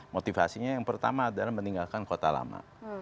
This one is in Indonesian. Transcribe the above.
motivasinya yang pertama adalah meninggalkan kota lama